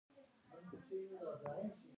په کتاب کې د نهو ټکو ستونزه ذکر شوې.